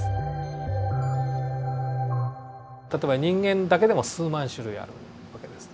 例えば人間だけでも数万種類ある訳です。